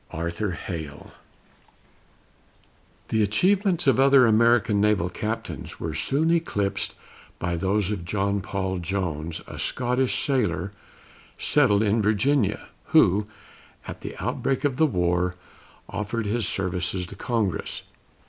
ARTHUR HALE. The achievements of other American naval captains were soon eclipsed by those of John Paul Jones, a Scotch sailor, settled in Virginia, who, at the outbreak of the war, offered his services to Congress.